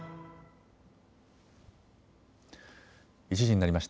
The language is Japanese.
１時になりました。